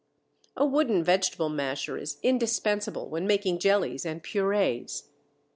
] A wooden vegetable masher is indispensable when making jellies and purées (fig.